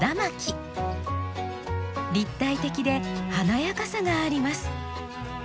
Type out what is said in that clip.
立体的で華やかさがあります。